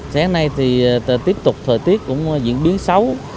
sáng nay thì tiếp tục thời tiết cũng diễn biến xấu